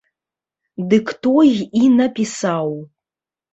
Дык той і напісаў.